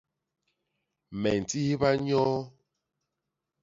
Me ntihba nyoo.